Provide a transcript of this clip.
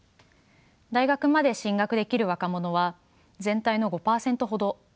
大学まで進学できる若者は全体の５％ほど。